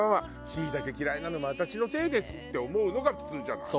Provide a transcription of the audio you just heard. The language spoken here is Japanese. シイタケ嫌いなのも私のせいですって思うのが普通じゃない？